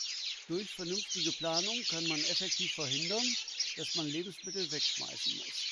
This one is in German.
Durch vernünftige Planung kann man effektiv verhindern, dass man Lebensmittel wegschmeißen muss.